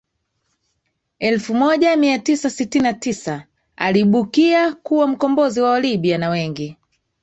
elfu moja mia tisa sitini na tisa aliibukia kuwa mkombozi wa Walibya na wengi